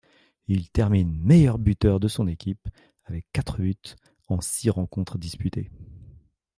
Il termine meilleur buteur de son équipe avec quatre buts en six rencontres disputées.